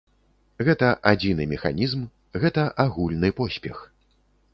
Гэта адзіны механізм, гэта агульны поспех.